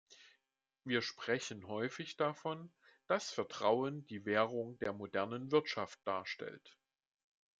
Wir sprechen häufig davon, dass Vertrauen die Währung der modernen Wirtschaft darstellt.